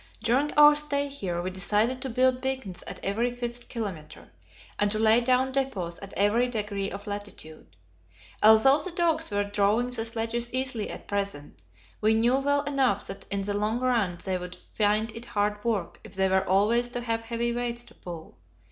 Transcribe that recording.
During our stay here we decided to build beacons at every fifth kilometre, and to lay down depots at every degree of latitude. Although the dogs were drawing the sledges easily at present, we knew well enough that in the long run they would find it hard work if they were always to have heavy weights to pull.